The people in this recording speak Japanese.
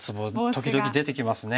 時々出てきますね。